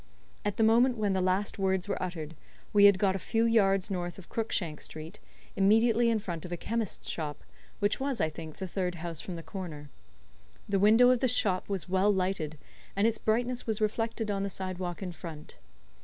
At the moment when the last words were uttered we had got a few yards north of Crookshank Street, immediately in front of a chemist's shop which was, I think, the third house from the corner. The window of this shop was well lighted, and its brightness was reflected on the sidewalk in front.